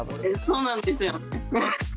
そうなんですよね。